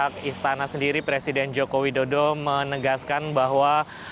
pihak istana sendiri presiden joko widodo menegaskan bahwa